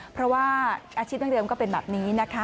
เพราะว่าอาชีพดั้งเดิมก็เป็นแบบนี้นะคะ